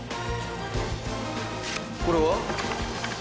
これは？